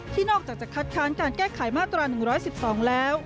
นอกจากจะคัดค้านการแก้ไขมาตรา๑๑๒แล้ว